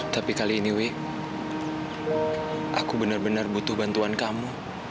tapi kali ini wi aku benar benar butuh bantuan kamu